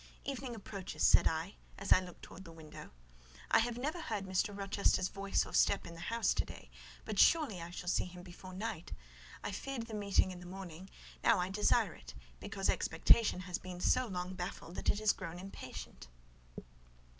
"Evening approaches," said I, as I looked towards the window. "I have never heard Mr. Rochester's voice or step in the house to day; but surely I shall see him before night: I feared the meeting in the morning; now I desire it, because expectation has been so long baffled that it is grown impatient."